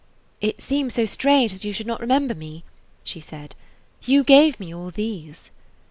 "It seems so strange that you should not remember me," she said. "You gave me all these."